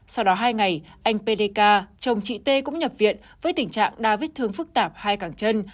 sau đó hai ngày anh pdk chồng chị t cũng nhập viện với tình trạng đa vết thương phức tạp hai càng chân